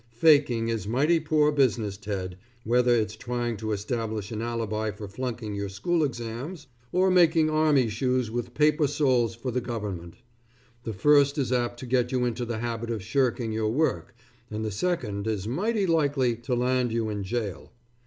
Faking is mighty poor business Ted, whether it's trying to establish an alibi for flunking your school exams, or making army shoes with paper soles for the government. The first is apt to get you into the habit of shirking your work, and the second is mighty likely to land you in jail.